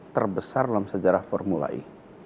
terbesar dalam sejarah formula e